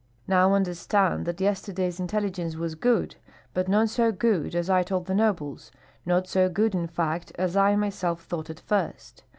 Now understand that yesterday's intelligence was good, but not so good as I told the nobles, not so good, in fact, as I myself thought at first.